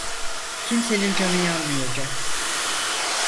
Kimsenin canı yanmayacak.